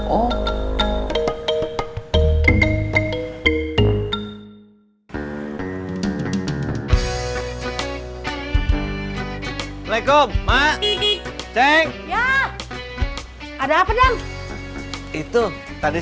assalamualaikum mak ceng ada apa dan itu tadi